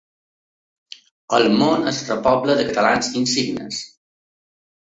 El món es repobla de catalans insignes.